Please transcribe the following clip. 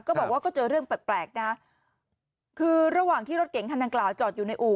ก็บอกว่าก็เจอเรื่องแปลกแปลกนะคือระหว่างที่รถเก๋งคันดังกล่าวจอดอยู่ในอู่